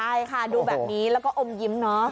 ใช่ค่ะดูแบบนี้แล้วก็อมยิ้มเนอะ